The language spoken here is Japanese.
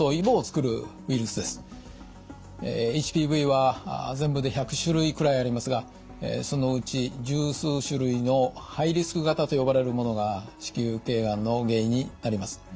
ＨＰＶは全部で１００種類くらいありますがそのうち十数種類のハイリスク型と呼ばれるものが子宮頸がんの原因になります。